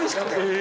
え！